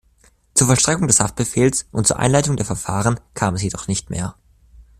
Zur Vollstreckung des Haftbefehls und zur Einleitung der Verfahren kam es jedoch nicht mehr.